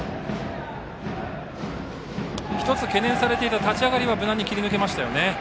１つ懸念されていた立ち上がりは無難に切り抜けましたよね。